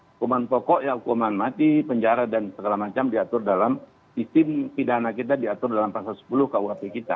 hukuman pokoknya hukuman mati penjara dan segala macam diatur dalam sistem pidana kita diatur dalam pasal sepuluh kuhp kita